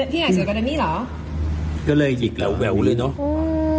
พี่ใหญ่สวยกว่าเดมมี่เหรอก็เลยหยิกแล้วแววเลยเนอะ